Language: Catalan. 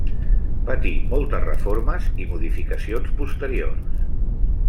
Patí moltes reformes i modificacions posteriors.